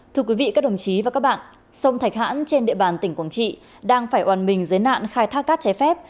thưa quý vị các đồng chí và các bạn sông thạch hãn trên địa bàn tỉnh quảng trị đang phải oàn mình dưới nạn khai thác cát trái phép